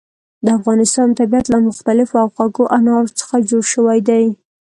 د افغانستان طبیعت له مختلفو او خوږو انارو څخه جوړ شوی دی.